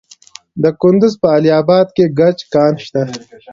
د کندز په علي اباد کې د ګچ کان شته.